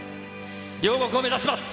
両国を目指します。